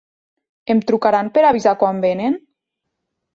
Em trucaran per avisar quan venen?